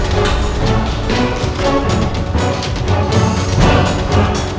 bapak duluan aja